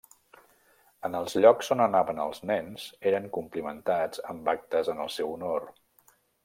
En els llocs on anaven els nens eren complimentats amb actes en el seu honor.